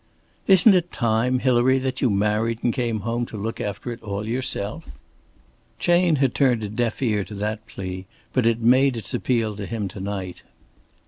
"Isn't it time, Hilary, that you married and came home to look after it all yourself?" Chayne had turned a deaf ear to that plea, but it made its appeal to him to night.